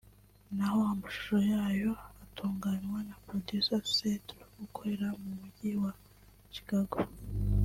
naho amashusho yayo atunganywa na Producer Cedru ukorera mu Mujyi wa Chicago